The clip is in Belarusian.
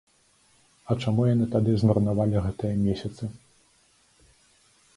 А чаму яны тады змарнавалі гэтыя месяцы?